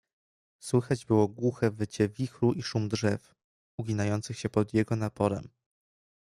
"Słychać było głuche wycie wichru i szum drzew, uginających się pod jego naporem."